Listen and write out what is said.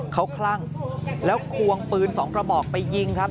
เขาคลั่งแล้วควงปืน๒กระบอกไปยิงครับ